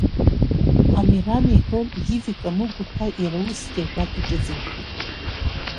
Амиран иҳәон, Гиви Камыгә-иԥа иара усгьы ажәак иҿыҵымшәеит.